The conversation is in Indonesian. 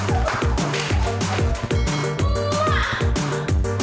tidak ini berapa